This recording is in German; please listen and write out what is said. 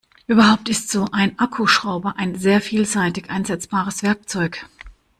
Überhaupt ist so ein Akkuschrauber ein sehr vielseitig einsetzbares Werkzeug.